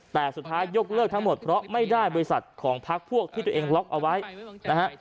แต่สุดท้ายยกเลิกทั้งหมดเพราะไม่ได้บริษัทของพักพวกที่ตัวเองล็อกเอาไว้นะฮะ